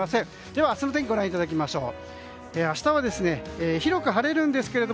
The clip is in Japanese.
では明日の天気ご覧いただきましょう。